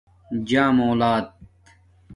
جݳم الات